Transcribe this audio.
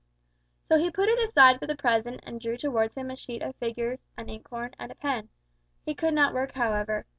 So he put it aside for the present, and drew towards him a sheet of figures, an inkhorn, and a pen. He could not work, however.